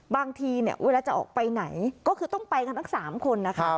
บางทีเวลาจะออกไปไหนก็คือต้องไปกับนัก๓คนนะคะ